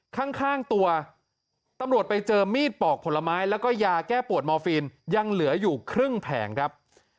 ข้างตัวตำรวจไปเจอมีดปอกผลไม้แล้วก็ยาแก้ปวดมอร์ฟีนยังเหลืออยู่ครึ่งแผงครับ